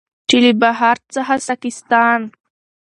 چې له بهارت څخه ساکستان،